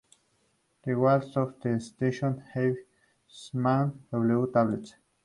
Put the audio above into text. The walls of the station have small "W" tablets.